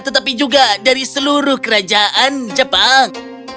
tetapi juga dari seluruh kerajaan jepang